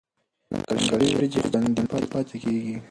کنګل شوې وریجې خوندي پاتې کېږي.